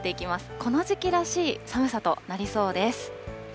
この時期らしい寒さとなりそうです。